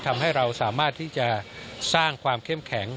ทำให้เราสามารถที่จะสร้างความเข้มแข็ง